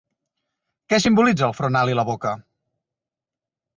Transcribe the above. Què simbolitza el front alt i la boca?